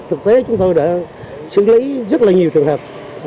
thực tế chúng tôi đã xử lý rất là nhiều trường hợp